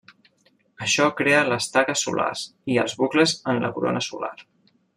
Això crea les taques solars i els bucles en la corona solar.